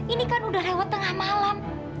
ini kan udah lewat tengah malam